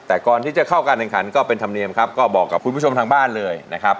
แต่ก่อนที่จะเข้าการแข่งขันก็เป็นธรรมเนียมครับก็บอกกับคุณผู้ชมทางบ้านเลยนะครับ